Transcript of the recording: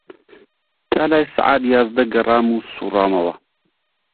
تا لای سەعات یازدە گەڕام و سووڕامەوە